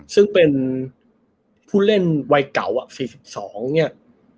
ซึ่งเป็นผู้เล่นวัยเก่า๔๒เนี่ย